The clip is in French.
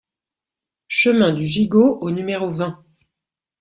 Chemin du Gigot au numéro vingt